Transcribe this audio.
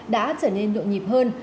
đã trở nên nội nhịp hơn